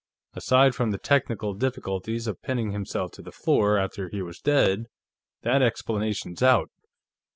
Aside from the technical difficulties of pinning himself to the floor after he was dead, that explanation's out.